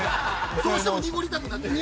◆どうしても濁りたくなる。